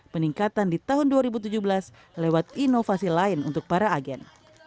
peningkatan di tahun dua ribu tujuh belas lewat inovasi lain untuk para agen